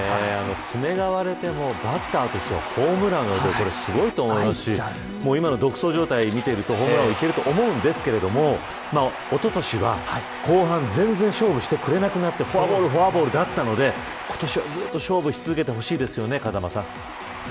爪が割れてもバッターとしてはホームランを打てるってこれすごいと思うし今の独走状態見ているとホームラン王いけると思うんですけれども、おととしは後半全然勝負してくれなくなってフォアボール、フォアボールだったので今年はずっと勝負し続けてほしいですよね